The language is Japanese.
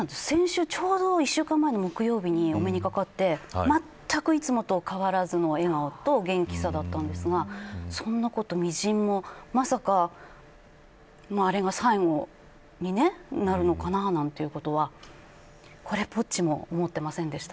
ちょうど１週間前の木曜日にお目にかかっていつもの変わらずの笑顔と元気そうでみじんもそんなことは感じなくてまさかあれが最後になるのかななんていうことはこれっぽっちも思っていませんでした。